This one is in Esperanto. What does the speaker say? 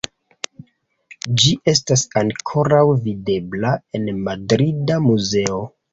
Ĝi estas ankoraŭ videbla en madrida muzeo.